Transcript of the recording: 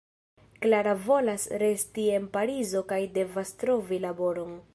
Klara volas resti en Parizo kaj devas trovi laboron.